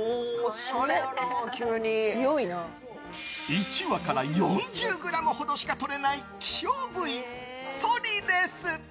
１羽から４０ｇほどしかとれない希少部位、ソリレス。